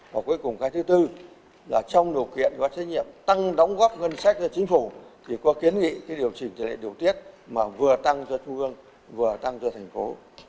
và cuối cùng cái thứ tư là trong điều kiện có trách nhiệm tăng đóng góp ngân sách cho chính phủ thì có kiến nghị cái điều chỉnh tỷ lệ điều tiết mà vừa tăng cho trung ương vừa tăng cho thành phố